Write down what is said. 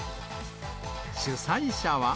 主催者は。